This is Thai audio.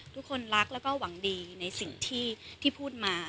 ทุกคนรักแล้วก็หวังดีในสิ่งที่พูดมา